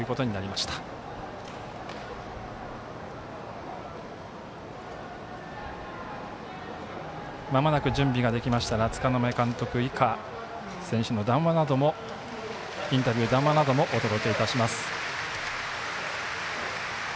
まもなく準備ができましたら柄目監督、以下選手のインタビュー、談話などもお届けいたします。